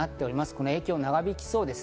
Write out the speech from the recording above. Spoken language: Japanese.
この影響が長引きそうです。